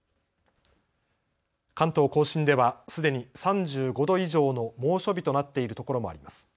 関東甲信ではすでに３５度以上の猛暑日となっているところもあります。